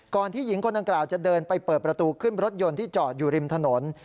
ที่หญิงคนดังกล่าวจะเดินไปเปิดประตูขึ้นรถยนต์ที่จอดอยู่ริมถนน